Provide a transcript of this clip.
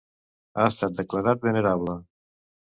Ha estat declarat venerable.